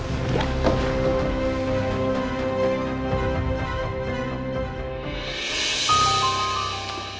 bisa pergi dulu